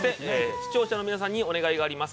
視聴者の皆さんにお願いがあります。